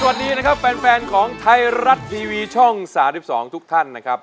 ส่วนหรับสุดนี้นะครับแฟนของไทรัตท์ทีวีช่องสาว๑๒ทุกท่านนะครับ